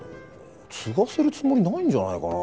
継がせるつもりないんじゃないかな。